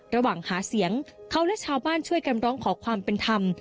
ระหว่างหาเสียงเขาและชาวบ้านช่วยกันร้องขอความเป็นธรรม